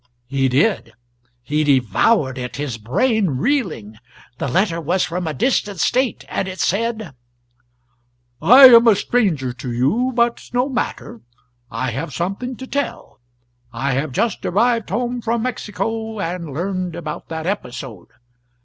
He did. He devoured it, his brain reeling. The letter was from a distant State, and it said: "I am a stranger to you, but no matter: I have something to tell. I have just arrived home from Mexico, and learned about that episode.